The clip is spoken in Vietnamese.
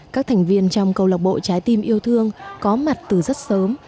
các thành viên trong câu lạc bộ trái tim yêu thương có mặt từ rất sớm